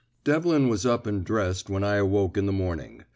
Devlin was up and dressed when I awoke in the morning.